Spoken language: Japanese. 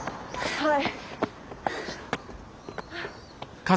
はい。